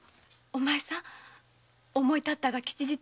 お前さん思いたったが吉日。